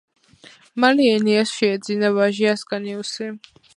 მალე ენეასს შეეძინა ვაჟი ასკანიუსი.